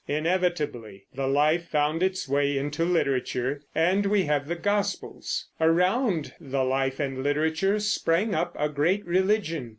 Inevitably the life found its way into literature, and we have the Gospels. Around the life and literature sprang up a great religion.